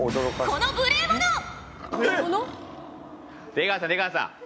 出川さん出川さん。